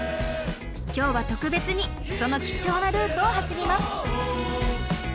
今日は特別にその貴重なルートを走ります。